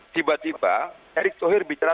tiba tiba erick thohir bicara